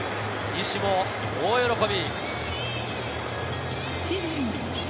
西も大喜び。